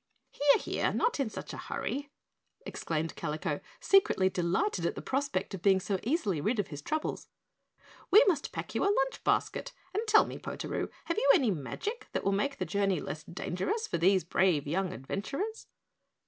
"Here, here, not in such a hurry," exclaimed Kalico, secretly delighted at the prospect of being so easily rid of his troubles. "We must pack you a lunch basket, and tell me, Potaroo, have you any magic that will make the journey less dangerous for these brave young adventurers?"